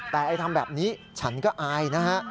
แต่ไอ้ทำแบบนี้ฉันก็อายนะฮะ